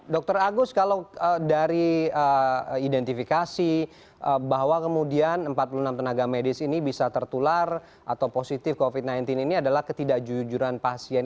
dr agus kalau dari identifikasi bahwa kemudian empat puluh enam tenaga medis ini bisa tertular atau positif covid sembilan belas ini adalah ketidakjujuran pasien